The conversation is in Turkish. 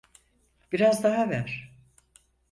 Biraz daha ver.